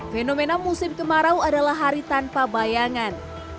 fenomena musim kemarau adalah hari tanpa bayangan